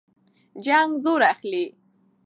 جنګ زور اخلي.